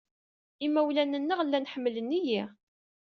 Imawlan-nneɣ llan ḥemmlen-iyi.